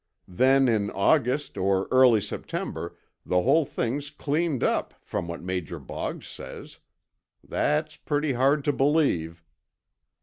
Then in August or early September, the whole thing's cleaned up, from what Major Boggs says. That's pretty hard to believe."